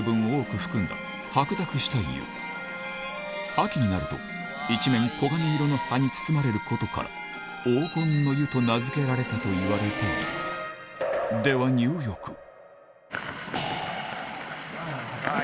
秋になると一面黄金色の葉に包まれることから「黄金の湯」と名付けられたといわれているではあっ